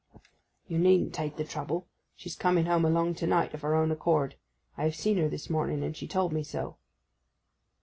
'You needn't take the trouble. She's coming home along to night of her own accord. I have seen her this morning, and she told me so.